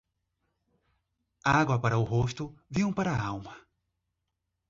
Água para o rosto, vinho para a alma.